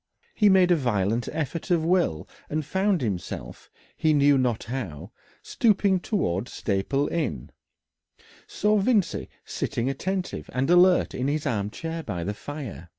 He made a violent effort of will and found himself, he knew not how, stooping towards Staple Inn, saw Vincey sitting attentive and alert in his arm chair by the fire.